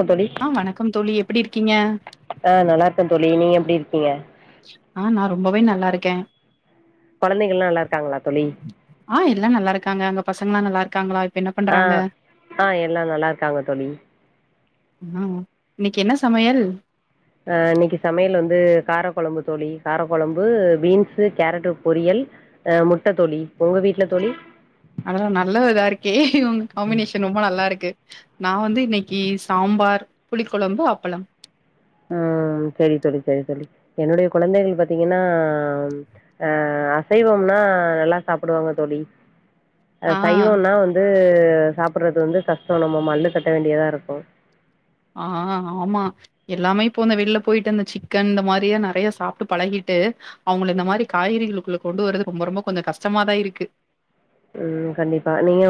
என்ன தோழி ஆ வணக்கம் தோழி எப்டி இருக்கீங்க? ஆஹ் நல்லா இருக்கேன் தோழி நீங்க எப் எப்டி இருக்கீங்க ஆஹ் நான் ரொம்பவே நல்லா இருக்கேன் குழந்தைகள்லாம் நல்லா இருக்காங்களா தோழி ஆஹ் இல்ல நல்லா இருக்காங்க உங்க பசங்கலாம் நல்லாக்காங்களா அ ஆ எல்லா நல்லா இருக்காங்க தோழி ஆ இன்னைக்கு என்ன சமையல் அ இன்னைக்கு சமையல் வந்து காரக்குழம்பு தோழி காரக்குழம்பு பீன்ஸ் கேரட்டு் பொரியல் அ முட்ட தோழி உங்க வீட்டுல தோழி அதெல்லா நல்ல இதா இருக்கே இவங்க காம்பினேஷன் ரொம்ப நல்லா இருக்கு நா வந்து இன்னைக்கு சாம்பார் புளி கொழம்பு அப்பளம் ம் செரி தோழி செரி தோழி என்னுடைய குழந்தைகள் பாத்தீங்கன்னா அ அசைவம்னா நல்லா சாப்பிடுவாங்க தோழி ஆ சைவம்னா வந்து து சாப்பிட்றது வந்து கஷ்டோ நம்ம மல்லு கட்ட வேண்டியதா இருக்கு ஆ ஆமா எல்லாமே இப்போ இந்த வெளில போயிட்டு அந்த சிக்கன் இந்த மாரியா நெறைய சாப்ட்டு பழகிட்டு அவுங்கள இந்த மாரி காய்கறிகளுக்குள்ள கொண்டு வர்றது ரொம்ப ரொம்ப கொஞ்சோ கஷ்டமாதா இருக்கு ம் கண்டிப்பா நீங்க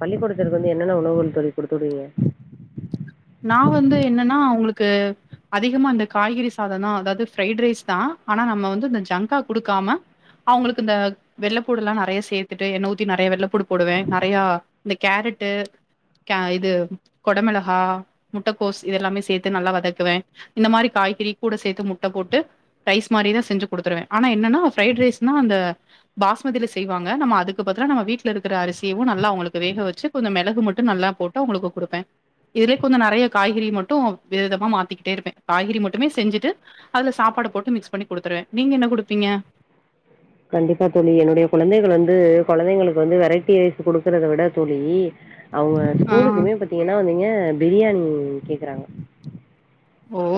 பள்ளிக்கூடத்துக்கு வந்து என்னென்ன உணவுகள் தோழி குடுத்துடுவீங்க நா வந்து என்னன்னா அவுங்களுக்கு கு அதிகமா இந்த காய்கறி சாதோ தா அதாவது ஃப்ரைட் ரைஸ் தா ஆனா நம்ம வந்து இந்த ஜங்கா் குடுக்காம அவங்களுக்கு இந்த வெள்ளைப்பூட எல்லா நெறைய சேத்துட்டு எண்ணெ ஊத்தி நெறைய வெள்ளைப்பூடு போடுவே நெறயா இந்த கேரட்டு இது கொட மிளாகா முட்டைக்கோஸ் இதெல்லாமே சேத்து நல்லா வதக்குவே இந்த மாரி காய்கறி கூட சேத்து முட்ட போட்டு ரைஸ் மாரி தா செஞ்சு குடுத்துருவே ஆனா என்னன்னா ஃபிரைட் ரைஸ் நா அந்த பாஸ்மதில செய்வாங்க நம்ம அதுக்கு பதிலா வீட்ல இருக்கற அரிசியு நல்லா அவுங்களுக்கு வேக வச்சு கொஞ்சோ மிளகு மட்டு நல்லா போட்டு அவுங்களுக்கு குடுப்பே இரு கொஞ்சோ நெறைய காய்கறி மட்டு வித விதமா மாத்திக்கிட்டே இருப்பே காய்கறி மட்டுமே செஞ்சுட்டு அதுல சாப்பாடு போட்டு மிக்ஸ் பண்ணி குடுத்துருவே நீங்க என்ன குடுப்பீங்க கண்டிப்பா தோழி என்னுடைய குழந்தைகள் வந்து கொழந்தைங்களுக்கு வந்து வெரைட்டி ரைஸ் குடுக்குறத விட தோழி அவுங்க ஆ ஸ்கூலுக்குமே பாத்தீங்கன்னா வந்துங்க பிரியாணி ம் கேக்கறாங்க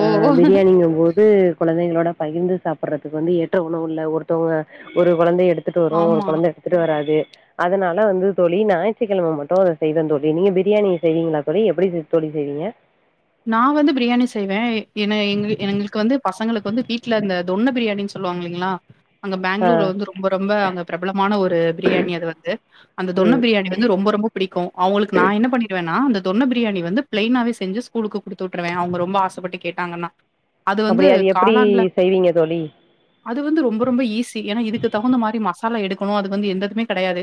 அ ஓ பிரியாணிங்கு போது குழந்தைகளோட பகிர்ந்து சாப்பிறதுக்கு வந்து ஏற்ற உணவு இல்ல ஒருத்தவுங்க ஒரு குழந்தை எடு எடுத்துட்டு வரு ஒரு ஆமா. குழந்தை எடுத்துட்டு வராது அதனால வந்து தோழி ஞாயிற்றுக்கிழம மட்டு அத செய்வே தோழி நீங்க பிரியாணி செய்வீங்களா தோழி எப்படி த தோழி செய்வீங்க நா வந்து பிரியாணி செய்வே ஏனா எங்கள் எங்களுக்கு வந்து பசங்களுக்கு வந்து வீட்டுல அந்த தொண்ண பிரியாணின்னு சொல்லுவாங்க இல்லைங்களா அங்க ஆ பெங்களூர்ல வந்து ரொம்ப ரொம்ப அங்க பிரபலமான ஒரு பிரியாணி அது வந்து அந்த தொண்ண ம் பிரியாணி வந்து ரொம்ப ரொம்ப புடிக்கு அவங்களுக்கு நா என்ன பண்ணிடு வேனா தொன்ன பிரியாணி வந்து பிளைனாவே செஞ்சி கூலுக் அப்படி அது எப்படி செய்வீங்க தோழி அது வந்து ரொம்ப ரொம்ப ஈஸி ஏனா இதுக்கு தகுந்த மாரி மசாலா எடுக்கணு அதுக்கு வந்து எந்தத்துமே கிடையாது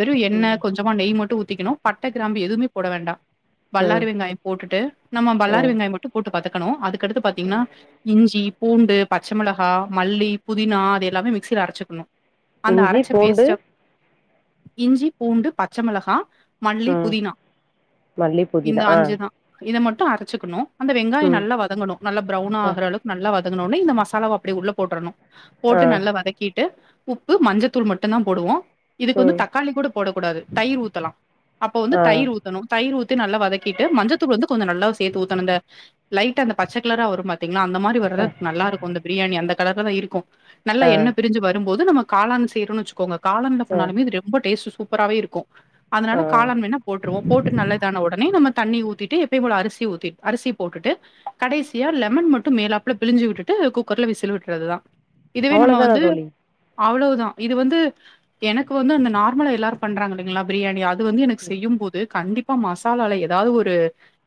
வெறு ம் எண்ணெ கொஞ்சமா நெய் மட்டு ஊத் திக்கனு பட்ட கிராம்பு எதுமே போட வேண்டா வல்லாரி ம் வெங்காயோ போட்டுட்டு பல்லாரி ம் வெங்காய மட்டு போட் வதக்கனு அதுக் அதுக்கடுத்து பாத்தீங்கனா இஞ்சி பூண்டு பச்ச மிளகா மல்லி புதினா அது எல்லாமே மிக்சியில அரச்சிக்கனு இஞ்சி பூண்டு இஞ்சி பூண்டு பச்ச மிளகா மல்லி உம் புதினா மல்லி புதினா இந்த ஆ அஞ்சு தா இத மட் அரச்சிக்கணு அந்த வெங்காயோ ம் நல்லா வதங்கணு நல்லா ப்ரௌன்னா ஆ ஆகுற அளவுக்கு நல்லா இந்த மசாலாவா அப்டியே உள்ள போட்ருணு ஆ போட்டு நல்லா வதக்கிட்டு உப்பு மஞ்சத்தூள் மட்டுதா போடுவோ இதுக்கு வந்து ம் தக்காளி கூட போட கூடாது தயிர் ஊத்தலா அப்ப வந்து ஆ தயிர் ஊத்தணு தயிர் ஊத்தி நல்லா வதக்கிட்டு மஞ்சத்தூள் வந்து கொஞ்ஜோ நல்லா சேத்து ஊத்தணுங்க லைட்டா அந்த பச்ச கலரா வரு பாத் அந்த மாரி வரது ஆ நல்லா இருக்கு அந்த பிரியாணி அந்த கலர்ல தா இருக்கு நல்லா ஆ என்ன ஆ பிரிஞ்சி வரு போது நம்ப காளான் செய்ரோன்னு வச்சுக்கோங்க காலன்ல பண்ணாலுமே இது ரொம்ப டேஸ்ட்டு சூ சூப்பராவே இருக்கு அதனால ஆ காளான் வேனா போட்ருவோ போட்டு நல்லா இதான ஒடனே நம்ப தண்ணி ஊத்தீட்டு எப்பயு போல அரிசி ஊத்தி அரிசி போட்டுட்டு கடைசியா லெமன் மட்டு மேலாப்ல பிழிஞ்சி விட்டுட்டு குக்கர்ல விசில் விட்றதுதா இதுவே அவ்வளோ நம்ப தானா வந்து தோழி அவ்ளோதா இது வந்து எனக்கு வந்து அந்த நார்மலா எல்லாரு பண்றாங்க இல்லைங்ளா பிரியாணி அது வந்து எனக்கு செய்யும் போது கண்டிப் இப்ப மசாலால ஏதாது ஒரு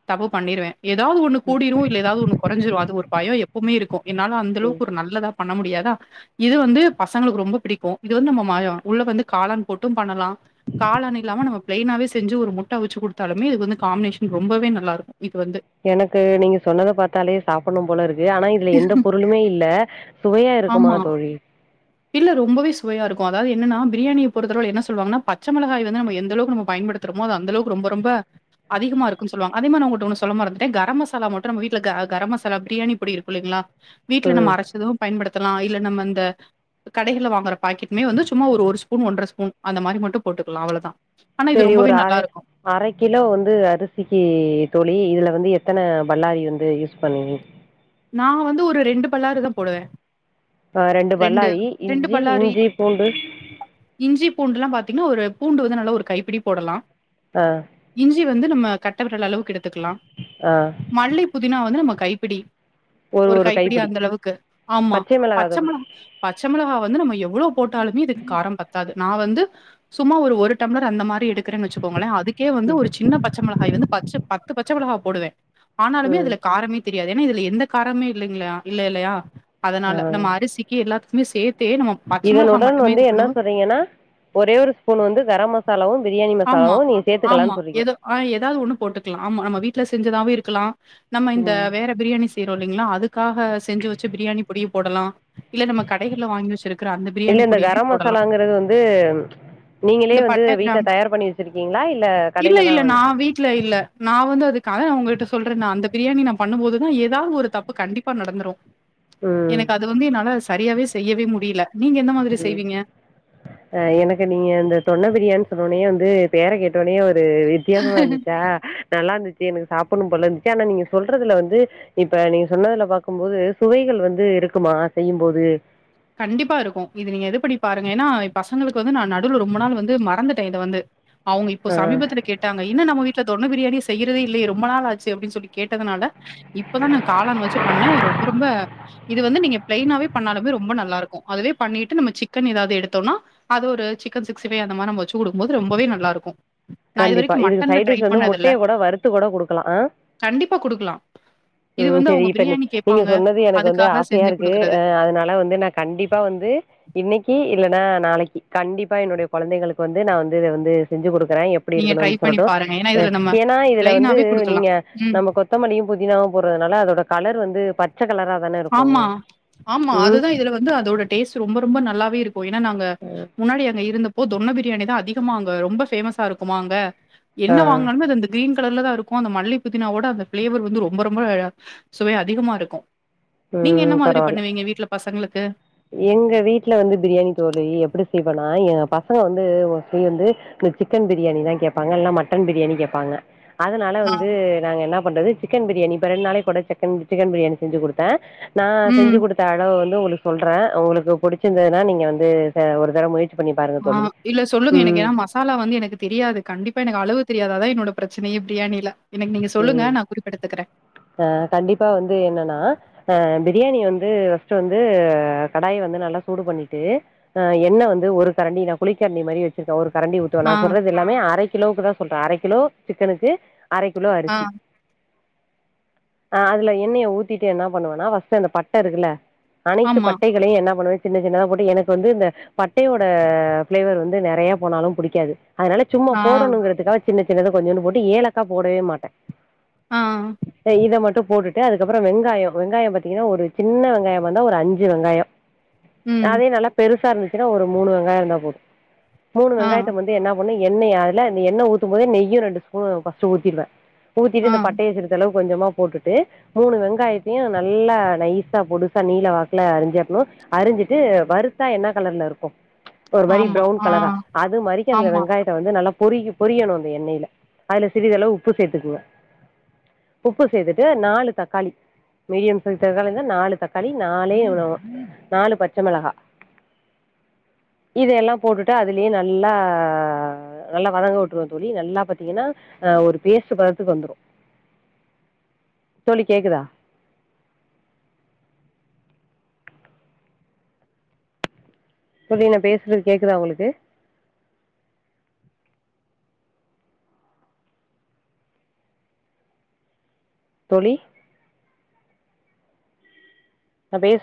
தப்பு பண்ணிடுவே ஏதாது ஒன்னு கூடிடு இல்ல எதாது ஒன்னு கொறஞ்சிடு அது ஒரு பயோ எப்பமே இருக்கு என்னால அந்த ம் அளவுக்கு ஒரு நல்லதா பண்ண முடியாது இது வந்து பசங்களுக்கு ரொம்ப பிடிக்கு இது வந்து நம்ப [unintelligible] உள்ள வந்து காளான் போட்டு பண்ணலா காளான் இல்லாம நம்ப பிளைனாவே செஞ்சு ஒரு முட்ட வச்சு குடுத்தாலுமே இது வந்து காம்பினேஷன் ரொம்பவே நல்லாருக்கு எனக்கு நீங்க சொன்னத பாத்தாலே சாப்புனு போல இருக்கு ஆனா எந்த பொருளுமே இல்ல அ சுவையா இருக்குமா ஆமா. தோழி இல்ல ரொம்பவே சுவையா இருக்கு அதாது என்னன்னா பிரியாணிய பொருத்தளவுல என்ன சொல்லுவாங்கன்னா பச்ச மொளகாய வந்து நம்ப எந்தளவுக்கு நம்ப பயன்டுத்துறமோ அது அந்தளவுக்கு ரொம்ப ரொம்ப அதிகமா இருக்குன்னு சொல்லுவாங்க அதே மாரி நா உங்கட்ட ஒன்னு சொல்ல மறந்துட்டே கர மசாலா மட்டு நம்ப வீட்டுல கர கரமசாலா பிரியாணி பொடி இருக்கு இல்லைங்ளா வீட்டுல நம்ம ம் அரைச்சதும் பயன்படுத்த லாம் இல்ல நம்ம அந்த கடைகள்ள வாங்குற பாக்கெடமே வந்து சும்மா ஒரு ஸ்பூன் ஒன்றர ஸ்பூன் அந்த மாதிரி மட்டும் போட்டுக்கலாம் அவ்ளவுதா சரி ஒரு அரை அரை கிலோ வந்து அரிசிக்கு தோழி இதுல வந்து எத்தன பல்லாரி வந்து யூஸ் பண் நா வந்து ஒரு ரெண்டு பல்லாறு தான் போடுவேன் ஆஹ் ரெண்டு பல்லாரி இஞ்சி பல்லாரி இஞ்சி பூண்டு னு ஒரு பூண்டு வந்து நல்ல ஒரு கைப்பிடி போடலாம் ஆஹ் சி வந்து நம்ம கட்ட விரல் அளவுக்கு எடு இருக்கலாம் ஆ மல்லி புதினா வந்து நமக்கு கைப்பிடி ஒரு கைப்பிடி அந்த அளவுக்கு ஆமா பச்சை பச்ச தோழி மிளகா பச்ச மிளகா வந்து நம்ம எவ்வளோ போட்டாலுமே இதுக்கு காரம் பத்தாது நா வந்து சும்மா ஒரு டம்ளர் அந்த மாரி எடுக் கிறனு வச்சுக்கோங்களேன் அதுக்கே வந்து ம் ஒரு சின்ன பச்ச மிளகா வந்து பச் பத்து பத்து பச்ச மிளகா போடுவேன் ஆனாலுமே ம் அதுல காரமே தெரிய யாது எந்த காரமே இல்லைங்களையா இல்ல இல்லையா ஆ அதனால நம்ம அரிசிக்கு எல்லாத் மே சேத் இதனுடன் வந்து என்ன சொல்றீங்கன்னா ஒரே ஒரு ஸ்பூன் வந்து கரம் மசாலாவும் பிரியாணி ஆமா, மசாலாவும் நீங்க ஆமா. சேர்த்துக்கலானு சொல்றீங்க ஏதோ ஆ ஏதாவது ஒண்ணு போட்டுக்கலாம். ஆமா, நம்ம வீட்ல செஞ்சதாவே இருக்கலாம் நம்ம இந்த ம் வேற பிரியானி சொல்லீங்களா அதுக்காக செஞ்சு வச்சு பிரியாணி பொடிய போடலாம் இல்ல நம்ம கடைகள்ல வாங்கி வச்சிருக்கிற அந்த இல்ல பிரியாணி இந்த பொடியுமே கரம் போடலாம் மசாலாங்கிறது வந்து நீங்களே இந்த வந்து பட்டா வீட்ல கிராம் தயார் பண்ணி வச்சிருக்கீங்களா இல்ல இல்ல கடையில தா இல்ல வாங்க நா வீட்டுல இல்ல நான் வந்து அதுக்காக அவங்கிட்ட சொல்றே ந அந்த பிரியாணி ந பண்ணும்போதுதா ஏது ஏதாவது ஒரு தப்பு கண்டிப்பா நடந்துரும் ம் எனக்கு அது வந்து என்னால சரியாவே செய்யவே முடியல நீங்க எந்த மாதிரி உம் செய்வீங்க? அஹ் எனக்கு நீங்க இந்த தொன்ன பிரியாணினு சொன்னோனையே வந்து பேற கேட்டோனையே ஒரு ஒரு வித்தியாசமா இருந்துச்சா நல்லா இருந்துச்சு எனக்கு சாப்பிடணும் போல இருந்துச்சு ஆனா நீங்க சொல்றதுல வந்து இப்ப நீங்க சொன்னதுல பாக்கும் போது சுவைகள் வந்து இருக்குமா செய்யும்போது கண்டிப்பா இருக்கு இது நீங்க எது பண்ணி பாருங்க ஏன்னா பசங்களுக்கு வந்து நா நடுவில் ரொம்ப நாள் வந்து மறந்துட்டேன் இத வந்து அவங்க இப்போ ஆ சமீபத்துல கேட்டாங்க என்னா நம்ம வீட்டுல தொன் ன பிரியாணி செய்றதே இல்லே ரொம்ப நாள் ஆச்சே அப்டினு சொல்லி கேட்டதுனால இப்பதான் நான் காளான் வச்சு பண்ணேன் ரொம்ப ரொம்ப இது வந்து நீங்க பிளைனாவே பண்ணாலுமே ரொம்ப நல்ல லா இருக்கும் அதுவே பண்ணிட்டு நம்ம சிக்கன் ஏதாவது எடுத்தோம்னா அது ஒரு சிக்கன் சிக்ஸ்டி ஃபைவ் அந்த மாரி நம்ம வச்சு குடுக்கும்போது ரொம்பவே நல்லாயிருக்கு கண்டிப்பா இதுக்கு சைட் டிஷ் வந்து முட்டைய கூட வருத்து கூட குடுக்கலா ஆ கண்டிப்பா குடுக்கலாம். இது வந்து சேசேரி அவங்க இப்ப பிரியாணி நீங்க கேட்பாங்க. சொன்னது எனக்கு வந்து அதுக்காக ஆசையா செஞ்சு இருக்கு குடுக்குறது. அதனால வந்து கண்டிப்பா வந்து இன்னைக்கு இல்லைன்னா நாளைக்கு கண்டிப்பா என்னுடைய குழந்தைங்களுக்கு வந்து நான் வந்து இத வந்து செஞ்சு குடுக்குறேன் எப்டி நீங்க ட்ரை இருக்குனு பண்ணி சொல்லட்டு பாருங்க. ஏன்னா, இதுல நம்ம ஏன்னா இதுல வந்து பிளெயினாவே நீங்க குடுக்கலாம். ம். நம்ம கொத்தமல்லியு புதினாவு போடுறதுனால அதோட கலர் வந்து பச்ச கலரா தான இருக்கு ஆமா ஆமா ம் அதுதான் இதுல வந்து அதோட டேஸ்ட் ரொம்ப ரொம்ப நல்லாவே இருக்கு ஏன்னா நாங்க முன்னாடி அங்க இருந்த போது தொன்ன பிரியாணிதான் அதிகமா அங்க ரொம்ப ஃபேமஸ்சா இருக்குமா அங்க ஆ என்ன வாங்கனாலுமே அந்த கிரீன் கலர்ல தான் இருக்கு அந்த மல்லி புதினாவோட அந்த பிளேவர் வந்து ரொம்ப ரொம்ப சுவை அதிகமா இருக்கு நீங்க என்ன ம் மாதிரி பரவால்ல பண்ணுவீங்க வீட்டுல பசங்களுக்கு எங்க வீட்டு்ல வந்து பிரியாணி தோழி எப்படி செய்வனா எங்க பசங்க வந்து வந்து இந்த சிக்கன் பிரியாணிதான் கேட்பாங்க இல்லா மட்டன் பிரியாணி கேட்பாங்க அதனால ஆ வந்து நாங்க என்ன பண்றது சிக்கன் பிரியாணி இப்ப ரெண்டு நாளைக்கு ஒரு டைம் சிக்கன் சிக்கன் பிரியாணி செஞ்சு குடுப்பேன் நான் செஞ்சு ம் குடுத்த அளவு வந்து [unintelligible] சொல்றேன் உங்களுக்கு புடிச்சிருந்ததுன்னா நீங்க வந்து ஒரு தடவ முயற் ஆஹ் இல்ல சொல்லுங்க எனக்கு ஏன்னா மசாலா வந்து எனக்கு தெரியாது கண்டிப்பா எனக்கு அளவு தெரியாது அதான் என்னோட பிரச்சனையே பிரியாணில எனக்கு நீங்க சொல்லுங்க உம் நா குறிப்பெடுத்துக்கிறே ஆஹ் கண்டிப்பா வந்து என்னன்னா அஹ் பிரியாணி வந்து ஃபஸ்ட்டு வந்து கடாய வந்து நல்லா சூடு பண்ணிட்டு எண்ணெய் வந்து ஒரு கரண்டி நான் குளிக்கரண்டி மாரி வச்சிருக்கேன் ஒரு கரண்டி ஊத்துவன் ஆ நான் சொல்றது எல்லாமே அரைக் கிலோவுக்கு தான் சொல்றேன் அரை கிலோ சிக்கனுக்கு அரை கி லோ ஆ அரிசி ஆஹ் அதுல எண்ணெய ஊத்திட்டு என்ன பண்ணுவனா ஃபர்ஸ்ட் அந்த பட்ட இருக்குல அனைத்து ஆமா பட்டைகளையு என்ன பண்ணுவே சின்ன சின்னதா போட்டு எனக்கு வந்து இந்த பட்டேயோட ஃபிளேவர் வந்து நெறைய போனாலு புடிக்காது அதுனால சும்மா ஆ போடணுங்கிறதுகாச் சின்ன சின்னதா கொஞ்ஜோன்டு போட்டு ஏலக்கா போடவே மாட்ட ஆ இப்ப இத மட் டு போட்டுட்டு அதுக்கப்புறோ வெங்காயோ வெங்காயம் பாத்தீங்கனா ஒரு சின்ன வெங்காயமார்ந்தா ஒரு அஞ்சு வெங்காயோ ம் அதே நல்லா பெருசா இருந்து க்குற ஒரு மூணு வெங்காயோ இருந்தா போது மூணு ஆ வெங்காயத்த மந்து என்னம் ஒன்னு எண்ணெயார்ல இந்த எண்ண ஊத்தும்போது நெய்யு ரெண்டு ஸ்பூ பா சு ஊத்திர்வ ஊத்திட்டு ஆ இந்த பட்டய சிறிதளவ் கொஞ்சமா போட்டுட்டு மூணு வெங்காயத்தியு நல்லா நைசா பொடுசா நீள வாக்குல அரிஞ்சுவெட்ணு அரிஞ்சிட்டு வருத்தா என்ன கலர்ல இருக்கு ஒரு மாரி ஆமா ப்ரவுன் ஆ கலரா அது மாரிக்கு அந்த ஆமா வெங்காயத்த வந்து நல்லா பொரிகு பொரியணு அந்த எண்ணேல அதுல சிறிதளவு உப்பு சேத்துகுங்க உப்பு சேத்துட்டு நாலு தக்காளி மீடியம் சைஸ் அளவிர்ந்தா நாலு தக்காளி நாலே இவுளவோ நாலு பச்ச மெளகா இதுஎல்லாம் போட்டுட்டு அதுலே நல்லா நல்லா வதங்க உட்ருவ தோழி நல்லா பாத்தீங்கனா ஆஹ் ஒரு பேஸ்ட் பதத்துக் வந்துரு தோழி கேக்குதா தோழி நா பேசுறது கேக்குதா உங்களுக்கு தோழி நா பேஸ்